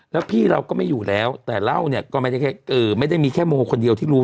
แล้วพี่เราก็ไม่อยู่แล้วแต่เล่าเนี่ยก็ไม่ได้มีแค่โมคนเดียวที่รู้